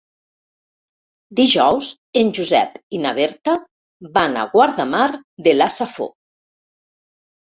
Dijous en Josep i na Berta van a Guardamar de la Safor.